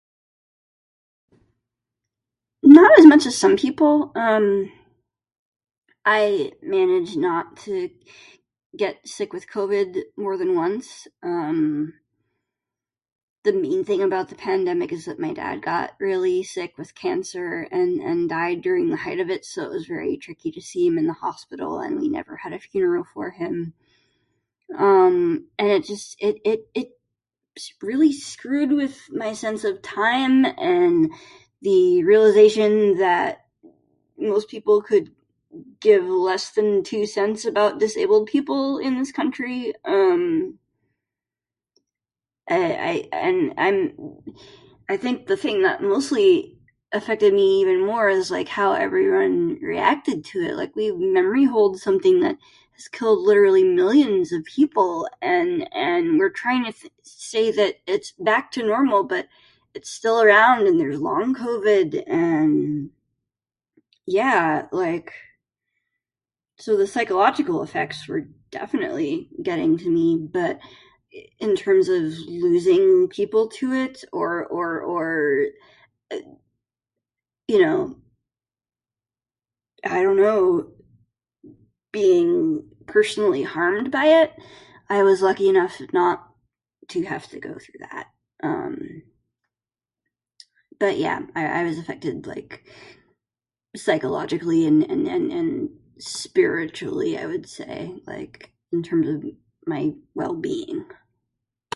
Not as much as some people. Um, I managed not to get sick with COVID more than once. Um, the main thing about the pandemic is that my dad got really sick with cancer and and died during the height of it, so it was very tricky to see him in the hospital and we never had a funeral for him. Um, and it just it it it really screwed with my sense of time and the realization that most people could give less than two cents about disabled people in this country. Um, I I and I'm I think the thing that mostly affected me even more is like how everyone reacted to it. Like we've- memory holds something that has killed literally millions of people And and we're trying to say that it's back to normal but it's still around, and there's long COVID and yeah, like, so the psychological effects were definitely getting to me. But in terms of losing people to it or or or you know, I don't know, being personally harmed by it? I was lucky enough not to have to go through that. Um, but yeah, I I was affected, like, psychologically and and and spiritually I would say like in terms of my well being.